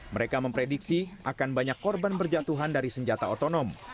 mereka memprediksi akan banyak korban berjatuhan dari senjata otonom